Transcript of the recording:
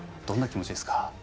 どんな気持ちですか？